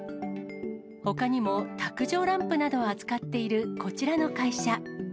ほかにも、卓上ランプなどを扱っているこちらの会社。